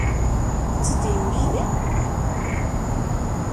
Ad tt-id-yemmekti?